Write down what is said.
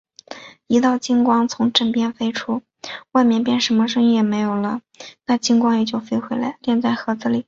一道金光从枕边飞出，外面便什么声音也没有了，那金光也就飞回来，敛在盒子里。